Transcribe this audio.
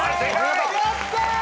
やったー！